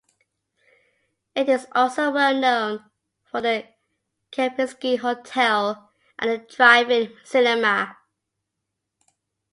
It is also well known for the Kempinski-Hotel and the drive-in cinema.